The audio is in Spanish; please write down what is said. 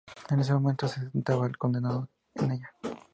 En ese momento se sentaba al condenado en ella.